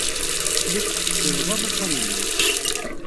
Telliḍ tettettleḍ alufan-nnem.